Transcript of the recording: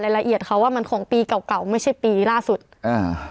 ละเอียดค่ะว่ามันของปีเก่าเก่าไม่ใช่ปีล่าสุดอ่า